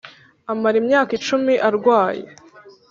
amara imyaka icumi arwaye